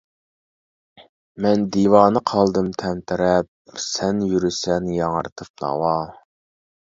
مەن دىۋانە قالدىم تەمتىرەپ، سەن يۈرىسەن ياڭرىتىپ ناۋا.